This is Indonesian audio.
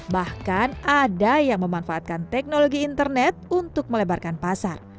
bahkan ada yang memanfaatkan teknologi internet untuk melebarkan pasar